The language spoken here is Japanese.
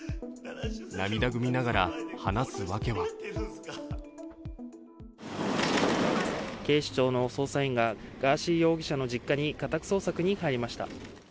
涙ぐみながら話す訳は警視庁の捜査員が、ガーシー容疑者の実家に家宅捜索に入りました。